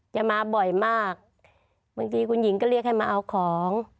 จะมาบ่อยมากบางทีคุณหญิงก็เรียกให้มาเอาของ